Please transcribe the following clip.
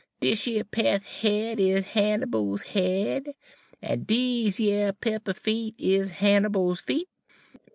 Dis yer peth head is Hannibal's head, en dese yer pepper feet is Hannibal's feet.